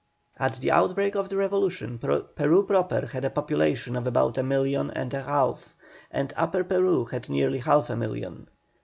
At the outbreak of the revolution Peru proper had a population of about a million and a half, and Upper Peru had nearly half a million.